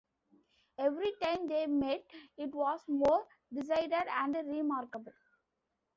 Every time they met, it was more decided and remarkable.